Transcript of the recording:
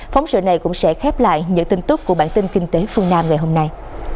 phóng sự này cũng sẽ khép lại những tin tức của bản tin kinh tế phương nam ngày hôm nay